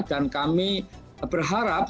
dan kami berharap